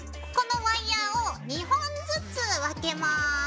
このワイヤーを２本ずつ分けます。